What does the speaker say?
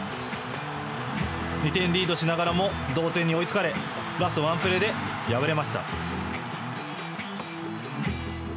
２点リードしながらも同点に追いつかれラストワンプレーで敗れました。